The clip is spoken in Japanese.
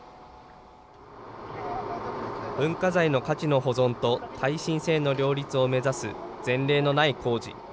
文化財の価値の保存と耐震性の両立を目指す前例のない工事。